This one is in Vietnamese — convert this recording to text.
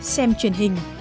xem truyền hình